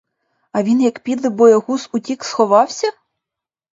А він, як підлий боягуз, утік, сховався?